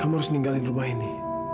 kamu harus ninggalin rumah ini